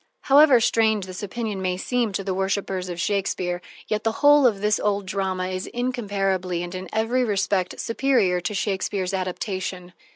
However strange this opinion may seem to worshipers of Shakespeare, yet the whole of this old drama is incomparably and in every respect superior to Shakespeare's adaptation.